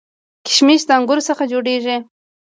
کشمش د انګورو څخه جوړیږي